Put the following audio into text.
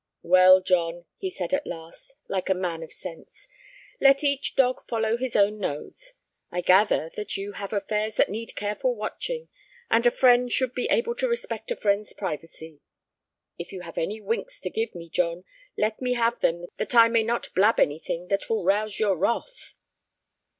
"Well, John," he said, at last, like a man of sense, "let each dog follow his own nose. I gather that you have affairs that need careful watching, and a friend should be able to respect a friend's privacy. If you have any winks to give me, John, let me have them that I may not blab anything that will rouse your wrath."